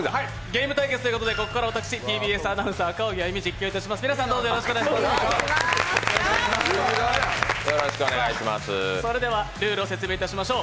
ゲーム対決ということで、ここから私、ＴＢＳアナウンサー赤荻歩が実況いたします。